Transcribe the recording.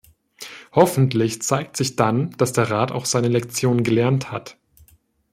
Hoffentlich zeigt sich dann, dass der Rat auch seine Lektion gelernt hat.